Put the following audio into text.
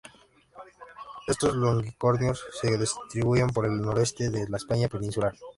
Estos longicornios se distribuyen por el noroeste de la España peninsular.